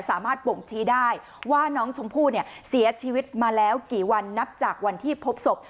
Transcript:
บ่งชี้ได้ว่าน้องชมพู่เนี่ยเสียชีวิตมาแล้วกี่วันนับจากวันที่พบศพ